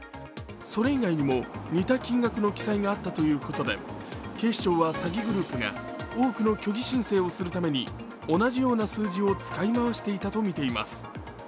それ以外にも似た金額の記載があったということで、警視庁は詐欺グループが多くの虚偽申請をするために同じような数字を使い回していたとみています。